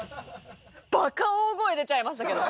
ばか大声出ちゃいましたけど。